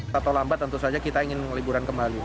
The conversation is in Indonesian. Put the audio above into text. atau lambat tentu saja kita ingin liburan kembali